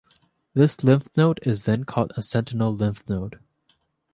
This lymph node is then called a sentinel lymph node.